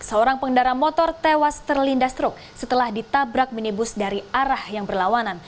seorang pengendara motor tewas terlindas truk setelah ditabrak minibus dari arah yang berlawanan